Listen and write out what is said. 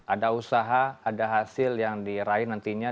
ada usaha ada hasil yang diraih nantinya